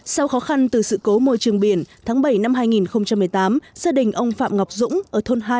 sau khó khăn từ sự cố môi trường biển tháng bảy năm hai nghìn một mươi tám gia đình ông phạm ngọc dũng ở thôn hai